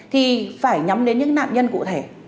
thì phải nhắm đến những nạn nhân cụ thể